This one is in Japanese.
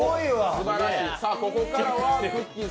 さあ、ここからはくっきー！